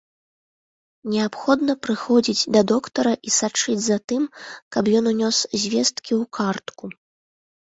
Неабходна прыходзіць да доктара і сачыць за тым, каб ён унёс звесткі ў картку.